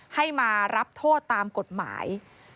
ให้มารับโทษตามกฎหมาย